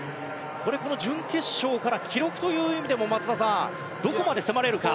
準決勝から記録という意味でも松田さん、どこまで迫れるか。